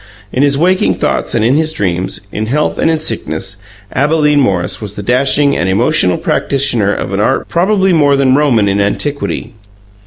In his waking thoughts and in his dreams, in health and in sickness, Abalene Morris was the dashing and emotional practitioner of an art probably more than Roman in antiquity.